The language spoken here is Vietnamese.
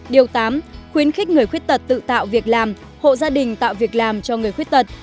điều tám khuyến khích người khuyết tật tự tạo việc làm hộ gia đình tạo việc làm cho người khuyết tật